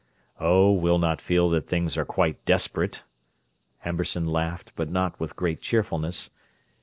"Oh, we'll not feel that things are quite desperate," Amberson laughed, but not with great cheerfulness.